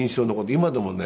今でもね